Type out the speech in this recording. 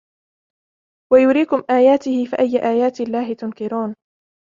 وَيُرِيكُمْ آيَاتِهِ فَأَيَّ آيَاتِ اللَّهِ تُنْكِرُونَ